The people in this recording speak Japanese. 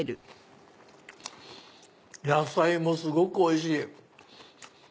野菜もすごくおいしい！